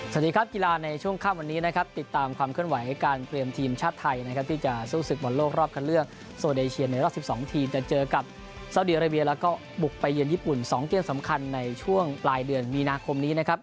สวัสดีครับกีฬาในช่วงข้างวันนี้นะครับ